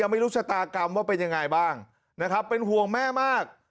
ไม่รู้ชะตากรรมว่าเป็นยังไงบ้างนะครับเป็นห่วงแม่มาก